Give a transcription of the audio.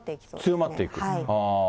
強まっていく。